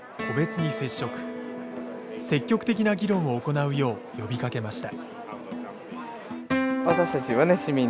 積極的な議論を行うよう呼びかけました。